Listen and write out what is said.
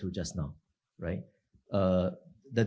yang dikatakan oleh pertama tama